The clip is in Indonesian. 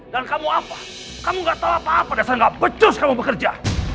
dan kamu apa kamu gak tau apa apa dasar gak becus kamu bekerja